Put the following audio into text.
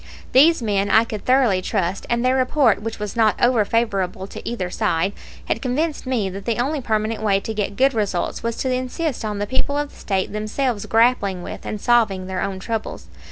These men I could thoroughly trust, and their report, which was not over favorable to either side, had convinced me that the only permanent way to get good results was to insist on the people of the State themselves grappling with and solving their own troubles.